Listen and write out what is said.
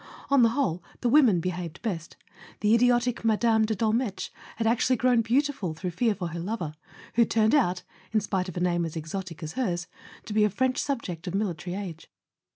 On the whole the women behaved best: the idiotic Mme. de Dolmetsch had actually grown beau¬ tiful through fear for her lover, who turned out (in spite of a name as exotic as hers) to be a French sub¬ ject of military age.